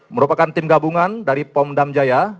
merupakan tim gabungan dari pom damjaya